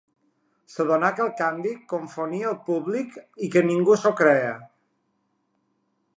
S'adonà que el canvi confonia el públic i que "ningú s'ho creia".